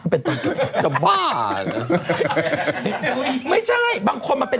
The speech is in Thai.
หนูยอดอยู่แล้ว